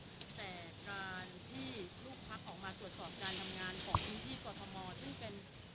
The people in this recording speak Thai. แต่การที่ลูกพักออกมาตรวจสอบงานทำงานของรุ่นที่กฎธม